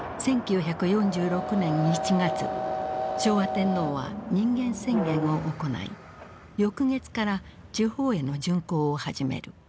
昭和天皇は人間宣言を行い翌月から地方への巡幸を始める。